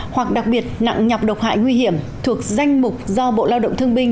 hoặc đặc biệt nặng nhọc độc hại nguy hiểm thuộc danh mục do bộ lao động thương binh